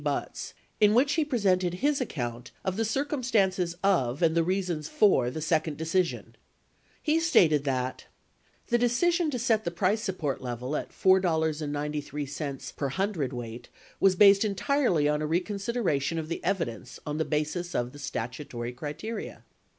Buts, in which he presented his account of the circumstances of and the reasons for the second decision. He stated that : The decision to set the price support level at $4.93 per cwt. was based entirely on a reconsideration of the evidence on the basis of the statutory criteria.